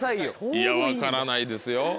いや分からないですよ。